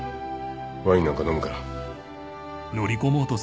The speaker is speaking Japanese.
ワインなんか飲むから。